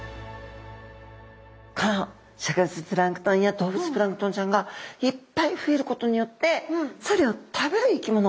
この植物プランクトンや動物プランクトンちゃんがいっぱい増えることによってそれを食べる生き物。